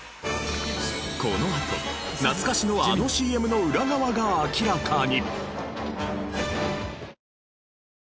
このあと懐かしのあのＣＭの裏側が明らかに！